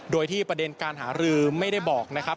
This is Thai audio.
โดยที่ประเด็นการหารือไม่ได้บอกนะครับ